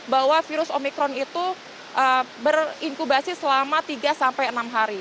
bahwa virus omikron itu berinkubasi selama tiga sampai enam hari